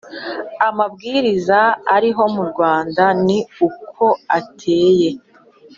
amabwiriza ariho mu Rwanda ni uko ateye